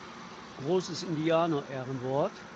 Großes Indianerehrenwort!